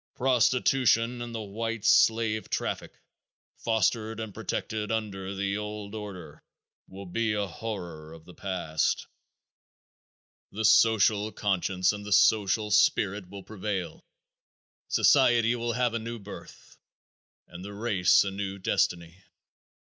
Prostitution and the white slave traffic, fostered and protected under the old order, will be a horror of the past. The social conscience and the social spirit will prevail. Society will have a new birth, and the race a new destiny.